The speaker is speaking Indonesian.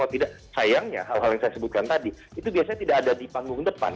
tidak sayangnya hal hal yang saya sebutkan tadi itu biasanya tidak ada di panggung depan